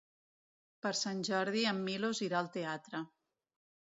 Per Sant Jordi en Milos irà al teatre.